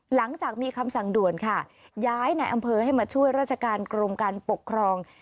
หลังจากมีคำสั่งด่วนค่ะย้ายในอำเภอให้มาช่วยราชการกรมการปกครอง